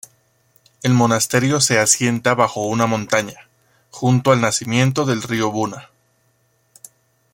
El monasterio se asienta bajo una montaña, junto al nacimiento del río Buna.